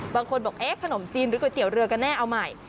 บางคนบอกเอ๊ะขนมจีนหรือก๋วยเตี๋ยวเรือกันแน่เอาใหม่